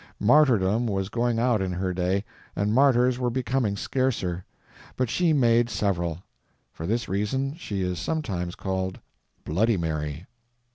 Martyrdom was going out in her day and martyrs were becoming scarcer, but she made several. For this reason she is sometimes called Bloody Mary.